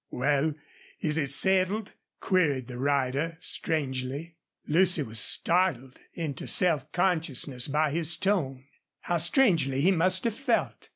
"Well, is it settled?" queried the rider, strangely. Lucy was startled into self consciousness by his tone. How strangely he must have felt.